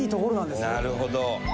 なるほど。